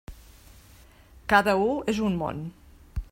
Cada u és un món.